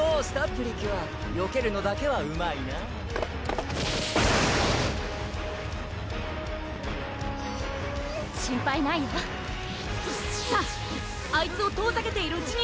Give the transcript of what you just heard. プリキュアよけるのだけはうまいなぁえるぅ心配ないよさぁあいつを遠ざけているうちに！